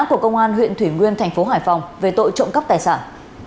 của công an huyện thủy nguyên tp hải phòng về tội trộm cắp tài sản